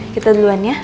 kita duluan ya